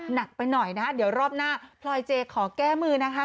หนักไปหน่อยนะเดี๋ยวรอบหน้าพลอยเจขอแก้มือนะคะ